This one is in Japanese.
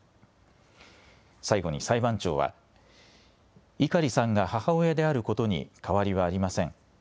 最後に裁判長は碇さんが母親であることに変わりはありません。